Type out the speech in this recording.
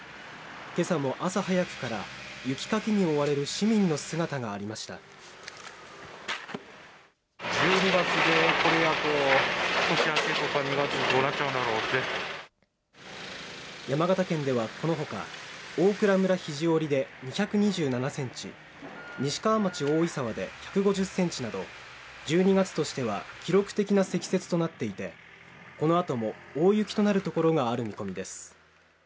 今朝も朝早くから雪かきに追われる市民の姿がありました山形県ではこのほか大蔵村肘折で２２７センチ西川町大井沢で１５０センチなど１２月としては記録的な積雪となっていてこのあとも大雪となる所がある見込みです